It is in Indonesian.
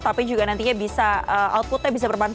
tapi juga nantinya bisa output nya bisa bermanfaat ya